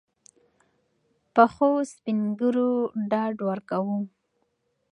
پخوسپین ږیرو ډاډ ورکاوه.